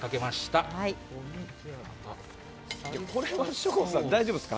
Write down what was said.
省吾さん、大丈夫ですか？